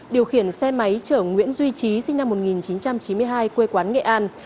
điều khiển xe máy chở nguyễn duy trí sinh năm một nghìn chín trăm chín mươi hai quê quán nghệ an